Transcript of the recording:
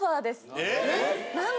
えっ？